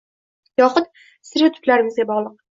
yoxud... stereotiplarimizga bog‘liq: